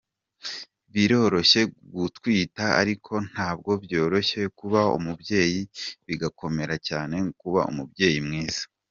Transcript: Biroroshye gutwita ariko ntabwo byoroshye kuba umubyeyi bigakomera cyane kuba umubyeyi mwiza.